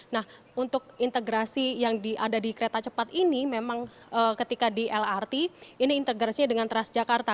nah untuk integrasi yang ada di kereta cepat ini memang ketika di lrt ini integrasinya dengan transjakarta